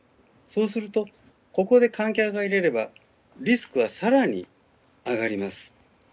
すると、ここで観客を入れればリスクは更に上がります。